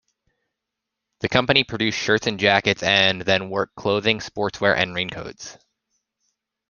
The company produced shirts and jackets and then work clothing, sportswear and raincoats.